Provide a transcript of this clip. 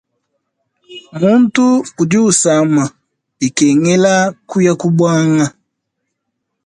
Mutu udi usama bikengela kuya ku buanga.